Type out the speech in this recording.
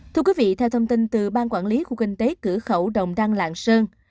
thưa quý vị theo thông tin từ ban quản lý khu kinh tế cửa khẩu đồng đăng lạng sơn